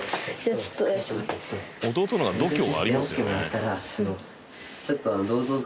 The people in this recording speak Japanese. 弟の方が度胸はありますよね。